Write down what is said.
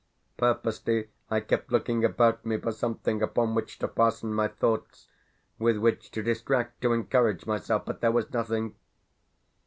Purposely I kept looking about me for something upon which to fasten my thoughts, with which to distract, to encourage myself; but there was nothing.